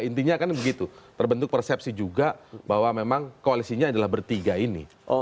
intinya kan begitu terbentuk persepsi juga bahwa memang koalisinya adalah bertiga ini